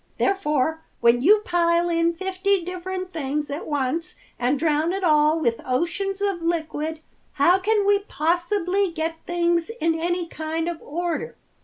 Therefore when you pile in fifty different things at once and drown it all with oceans of liquid, how can we possibly get things in any kind of order?